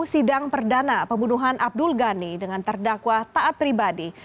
sidang perdana pembunuhan abdul ghani dengan terdakwa taat pribadi